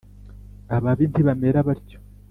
Ababi ntibamera batyo